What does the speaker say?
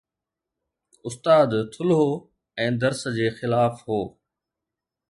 استاد ٿلهو ۽ درس جي خلاف هو